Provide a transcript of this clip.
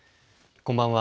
こんばんは。